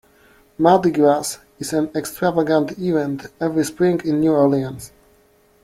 Mardi Gras is an extravagant event every spring in New Orleans.